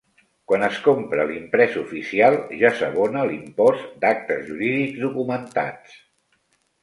Quan es compra l'imprès oficial ja s'abona l'Impost d'Actes Jurídics Documentats.